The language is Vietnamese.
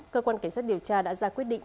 cơ quan cảnh sát điều tra đã ra quyết định